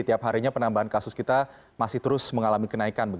tiap harinya penambahan kasus kita masih terus mengalami kenaikan